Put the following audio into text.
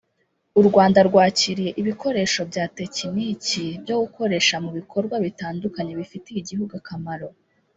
u Rwanda rwakiriye ibikoresho bya tekiniki byo gukoresha mu bikorwa bitandukanye bifitiye igihugu akamaro